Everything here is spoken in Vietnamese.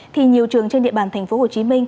thì nhiều trường trên địa bàn tp hcm